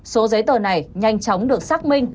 số giấy tờ này nhanh chóng được xác minh